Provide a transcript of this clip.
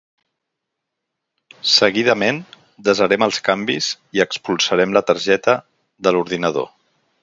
Seguidament, desarem els canvis i expulsarem la targeta de l'ordinador